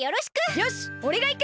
よしおれがいく！